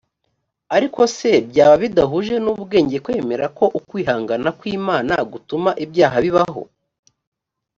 ariko se byaba bidahuje n ubwenge kwemera ko ukwihangana kw imana gutuma ibyaha bibaho